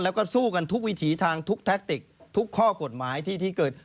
แล้วก็สู้กันทุกวิถีทางทุกแท็กติกทุกข้อกฎหมายที่เกิด